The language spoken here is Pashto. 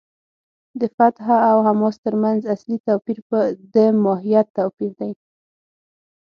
د فتح او حماس تر منځ اصلي توپیر د ماهیت توپیر دی.